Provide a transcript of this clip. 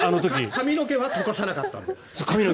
髪の毛はとかさなかったんだよ。